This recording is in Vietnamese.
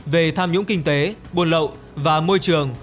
về tham nhũng kinh tế buôn lậu và môi trường